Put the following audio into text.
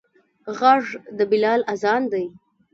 غږ د بلال اذان دی